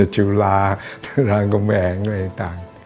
จุฬาทุรางกำแหงอะไรต่าง